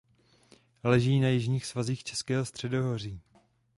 Leží na jižních svazích Českého středohoří.